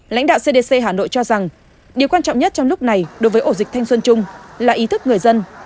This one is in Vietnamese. lãnh đạo cdc hà nội cho rằng điều quan trọng nhất trong lúc này đối với ổ dịch thanh xuân trung là ý thức người dân